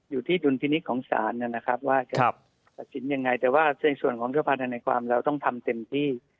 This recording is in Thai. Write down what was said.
ดูลพินิกส์ของศาลว่าจะประชิงยังไงแต่ว่าในส่วนของทศพันธ์ในความเราต้องทำเต็มที่